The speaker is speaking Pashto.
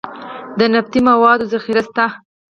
د نفتي موادو ذخیرې شته